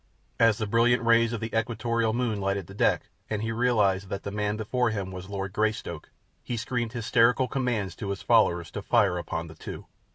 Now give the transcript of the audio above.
As the brilliant rays of the equatorial moon lighted the deck, and he realized that the man before him was Lord Greystoke, he screamed hysterical commands to his followers to fire upon the two.